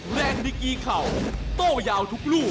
แรงนิกอีเข่าโตร์ยาวทุกรูป